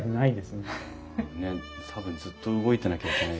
ねっ多分ずっと動いてなきゃいけない。